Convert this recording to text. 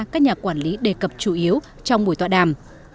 các nhà quản lý đề cập chủ yếu trong buổi tọa đàm